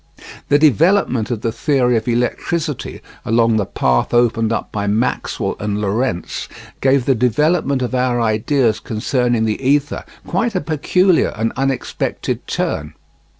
The development of the theory of electricity along the path opened up by Maxwell and Lorentz gave the development of our ideas concerning the ether quite a peculiar and unexpected turn.